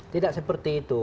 tidak seperti itu